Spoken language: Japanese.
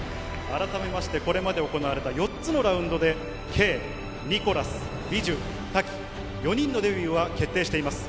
改めまして、これまで行われた４つのラウンドで、ケイ、ニコラス、ウィジュ、タキ、４人のデビューは決定しています。